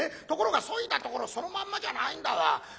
ところがそいだところそのまんまじゃないんだわ。